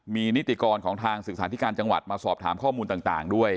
มีนิติกรของทางศึกษาธิการจังหวัดมาสอบถามข้อมูลต่างด้วย